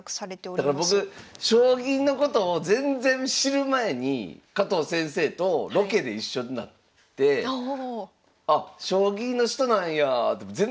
だから僕将棋のことを全然知る前に加藤先生とロケで一緒になってあっ将棋の人なんやって全然知らんから。